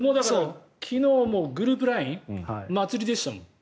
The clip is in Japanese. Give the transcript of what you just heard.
昨日もグループＬＩＮＥ祭りでしたもん。